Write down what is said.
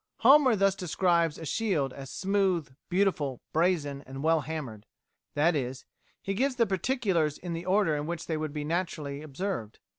Homer thus describes a shield as smooth, beautiful, brazen, and well hammered that is, he gives the particulars in the order in which they would naturally be observed.